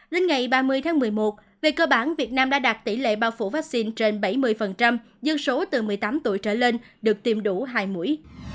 đến ngày ba mươi tháng một mươi một về cơ bản việt nam đã đạt tỷ lệ bao phủ vaccine trên bảy mươi dân số từ một mươi tám tuổi trở lên được tiêm đủ hai mũi